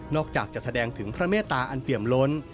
อกจากจะแสดงถึงพระเมตตาอันเปี่ยมล้น